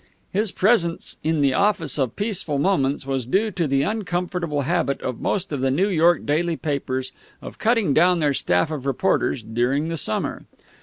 His presence in the office of Peaceful Moments was due to the uncomfortable habit of most of the New York daily papers of cutting down their staff of reporters during the summer.